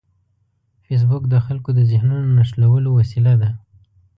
فېسبوک د خلکو د ذهنونو نښلولو وسیله ده